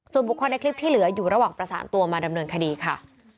ส่วนบุคคลในคลิปที่เหลืออยู่ระหว่างประสานตัวมาดำเนินคดีค่ะ